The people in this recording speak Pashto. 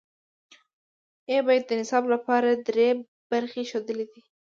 ای بیټ د نصاب لپاره درې برخې ښودلې دي.